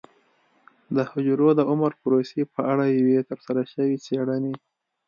د حجرو د عمر پروسې په اړه یوې ترسره شوې څېړنې